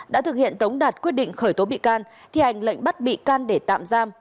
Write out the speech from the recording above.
đã thực hiện tống đạt quyết định khởi tố bị can thi hành lệnh bắt bị can để tạm giam